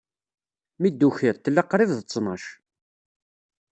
Mi d-tukiḍ, tella qrib d ttnac.